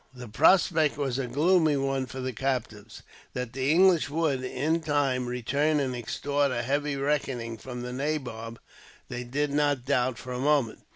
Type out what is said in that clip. The prospect was a gloomy one for the captives. That the English would, in time, return and extort a heavy reckoning from the nabob, they did not doubt for a moment.